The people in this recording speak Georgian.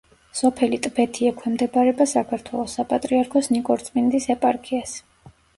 სოფელი ტბეთი ექვემდებარება საქართველოს საპატრიარქოს ნიკორწმინდის ეპარქიას.